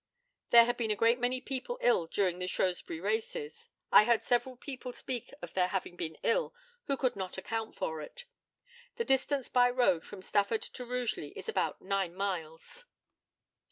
There had been a great many people ill during the Shrewsbury races. I heard several people speak of their having been ill who could not account for it. The distance by road from Stafford to Rugeley is about nine miles.